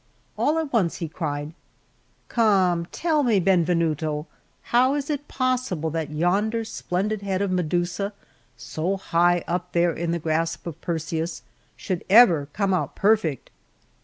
All at once he cried: "Come, tell me, Benvenuto, how is it possible that yonder splendid head of Medusa, so high up there in the grasp of Perseus, should ever come out perfect?"